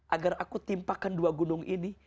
agar aku timpakan dua gunung ini